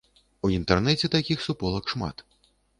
У інтэрнэце такіх суполак шмат.